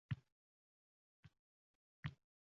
Hatto eng qaltis vaziyatlarda suhbatlashishga harakat qiling